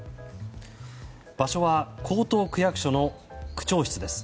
場所は江東区役所の区長室です。